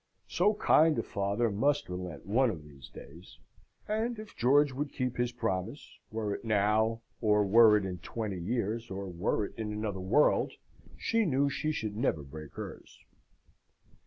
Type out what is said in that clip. So kind a father must relent one of these days; and, if George would keep his promise were it now, or were it in twenty years, or were it in another world, she knew she should never break hers.